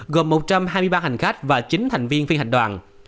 gồm một trăm hai mươi ba hành khách và chín thành viên phi hành đoàn